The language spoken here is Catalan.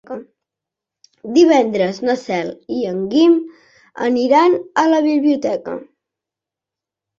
Divendres na Cel i en Guim aniran a la biblioteca.